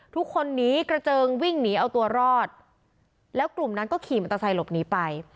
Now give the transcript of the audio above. ทุกคนหนีกระเจิงวิ่งหนีเอาตัวรอดแล้วกลุ่มนั้นก็ขี่มอเตอร์ไซค์หลบหนีไป